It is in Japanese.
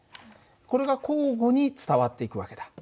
これが交互に伝わっていく訳だ。